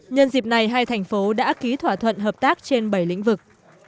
nhân dịp này hai thành phố đã ký thỏa thuận hợp tác trên bảy lĩnh vực